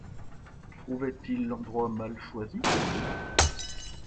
Trouvaient-ils l’endroit mal choisi?